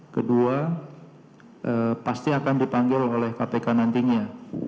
kedua pasti akan dipanggil oleh kpk nantinya